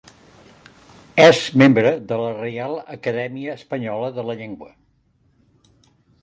És membre de la Reial Acadèmia Espanyola de la Llengua.